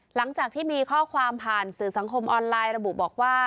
หลังจากที่มีข้อความผ่านสื่อสังคมออนไลน์ระบุบอกว่า